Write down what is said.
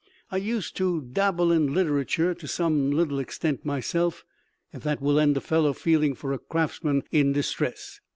I used to dable in literature to some little extent myself if that will lend a fellow feeling for a craftsman in distress.